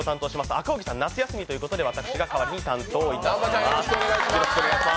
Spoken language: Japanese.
赤荻さん、夏休みということで、私が代わりに担当します。